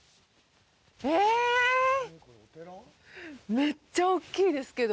めっちゃ大きいですけど。